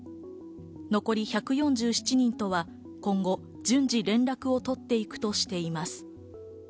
残り１４７人とは今後、順次連絡を取っていくとしています。